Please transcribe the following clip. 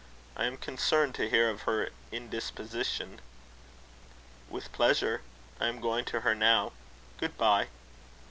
I am concerned to hear of her indisposition." "With pleasure. I am going to her now. Good bye."